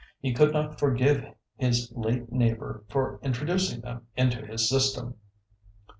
He could not forgive his late neighbour for introducing them into his system.